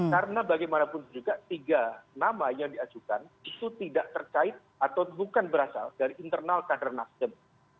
karena bagaimanapun juga tiga nama yang diajukan itu tidak terkait atau bukan berasal dari internal kader nasdem